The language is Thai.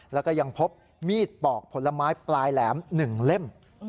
และยังพบมีดปอกผลมายปลายแหลม๑เล่ม